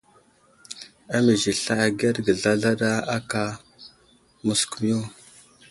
Amiz i sla agərge zlazlaɗa áka məskumiyo.